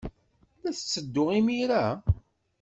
La tetteddu imir-a?